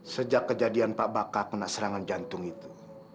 sejak kejadian pak baka kena serangan jantung itu